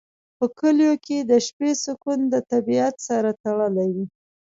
په کلیو کې د شپې سکون د طبیعت سره تړلی وي.